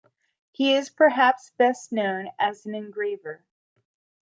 He is perhaps best known as an engraver.